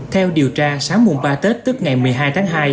theo điều tra sáng mùng ba tết tức ngày một mươi hai tháng hai